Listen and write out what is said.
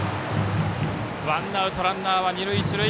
ワンアウトランナー、二塁、一塁。